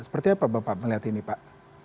seperti apa bapak melihat ini pak